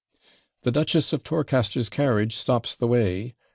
'The Duchess of Torcaster's carriage stops the way!'